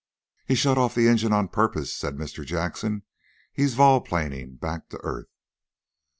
"He shut off the engine on purpose," said Mr. Jackson. "He is vol planing back to earth!"